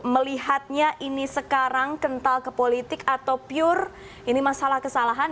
melihatnya ini sekarang kental ke politik atau pure ini masalah kesalahan